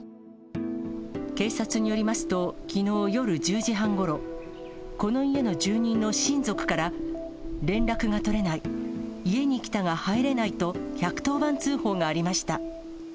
警察によりますと、きのう夜１０時半ごろ、この家の住人の親族から連絡が取れない、家に来たが入れないと、１１０番通報がありました。